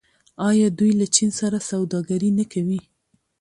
آیا دوی له چین سره سوداګري نه کوي؟